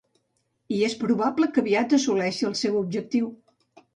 I és probable que aviat assoleixi el seu objectiu.